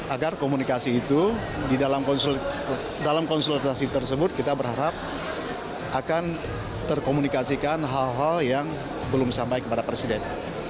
agar komunikasi itu dalam konsultasi tersebut kita berharap akan terkomunikasikan hal hal yang belum sampai kepada presiden